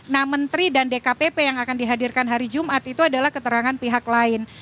nah menteri dan dkpp yang akan dihadirkan hari jumat itu adalah keterangan pihak lain